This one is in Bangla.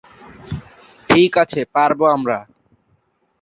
ঠিক আছে, পারবো আমরা।